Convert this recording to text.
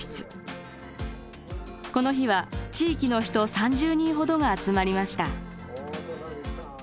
この日は地域の人３０人ほどが集まりました。